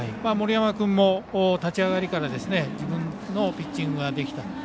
森山君も立ち上がりから自分のピッチングができた。